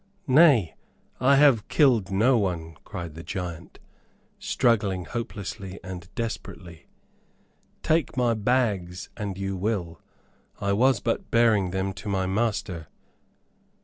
"Nay I have killed no one," cried the giant, struggling hopelessly and desperately. "Take my bags an you will; I was but bearing them to my master."